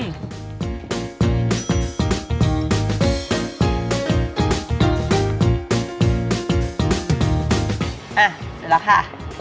เสร็จแล้วค่ะ